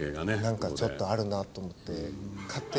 なんかちょっとあるなと思って勝手に。